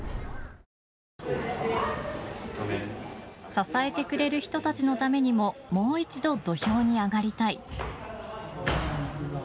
支えてくれる人たちのためにももう一度、土俵に上がりたい。